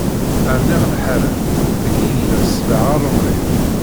Rniɣ lḥara, deg i yella sbeɛ aṛemli.